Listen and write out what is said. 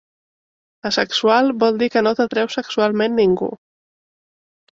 Assexual vol dir que no t'atreu sexualment ningú.